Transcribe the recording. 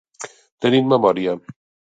Tenir en memòria.